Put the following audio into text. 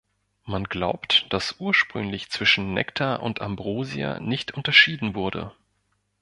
Man glaubt, dass ursprünglich zwischen Nektar und Ambrosia nicht unterschieden wurde.